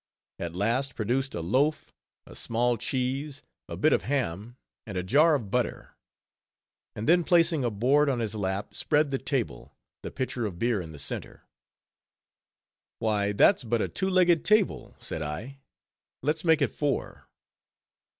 _ at last produced a loaf, a small cheese, a bit of ham, and a jar of butter. And then placing a board on his lap, spread the table, the pitcher of beer in the center. "Why that's but a two legged table," said I, "let's make it four."